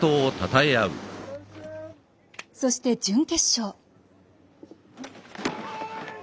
そして、準決勝。